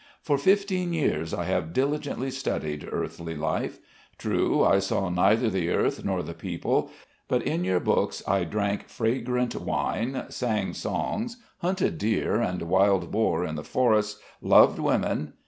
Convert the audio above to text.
"For fifteen years I have diligently studied earthly life. True, I saw neither the earth nor the people, but in your books I drank fragrant wine, sang songs, hunted deer and wild boar in the forests, loved women....